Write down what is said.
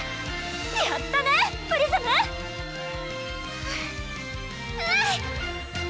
やったねプリズムハァうん！